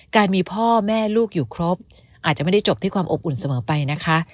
การมีพ่อแม่ลูกอยู่ครบอาจจะไม่ได้จบที่ความอบอุ่นเสมอไปนะคะ